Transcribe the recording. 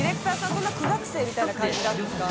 そんな苦学生みたいな感じなんですか？